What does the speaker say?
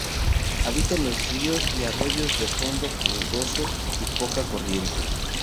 Habita en los ríos y arroyos de fondo fangoso y poca corriente.